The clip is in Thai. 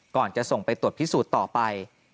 ก่อนจะส่งไปตรวจพิสูจน์ต่อไป